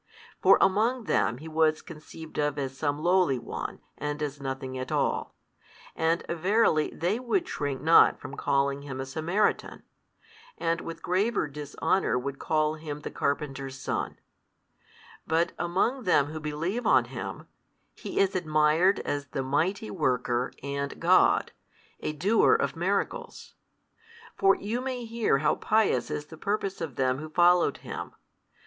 For among them He was conceived of as some lowly one and as nothing at all; and verily they would shrink not from calling Him a Samaritan, and with graver dishonour would call Him the carpenter's Son: but among them who believe on Him, He is admired as the Mighty Worker and God, a Doer of miracles. For you may hear how pious is the purpose of them who followed Him.